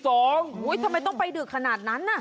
ทำไมต้องไปดึกขนาดนั้นน่ะ